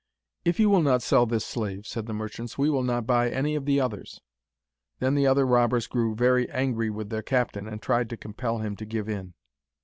'If you will not sell this slave,' said the merchants, 'we will not buy any of the others.' Then the other robbers grew very angry with their captain, and tried to compel him to give in.